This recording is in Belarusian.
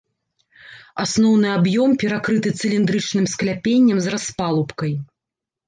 Асноўны аб'ём перакрыты цыліндрычным скляпеннем з распалубкай.